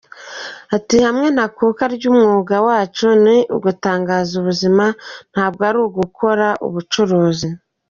Ati “ Ihame ntakuka ry’umwuga wacu ni ugutanga ubuzima, ntabwo ari ugukora ubucuruzi.